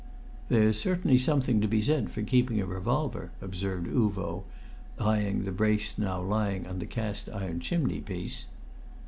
"There's certainly something to be said for keeping a revolver," observed Uvo, eyeing the brace now lying on the cast iron chimneypiece.